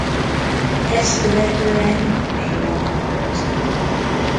Ezt követően nyugdíjba vonult.